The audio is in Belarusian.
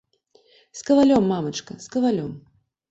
З кавалём, мамачка, з кавалём.